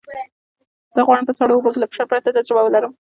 زه غواړم په سړو اوبو کې له فشار پرته تجربه ولرم.